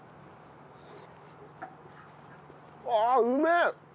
ああうめえ！